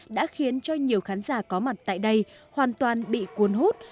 đã khiến cho nhiều khán giả có mặt tại đây hoàn toàn bị cuốn hút